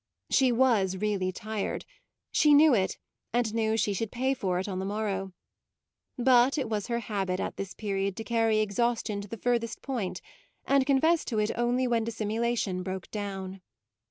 She was really tired; she knew it, and knew she should pay for it on the morrow; but it was her habit at this period to carry exhaustion to the furthest point and confess to it only when dissimulation broke down.